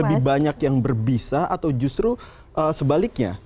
lebih banyak yang berbisa atau justru sebaliknya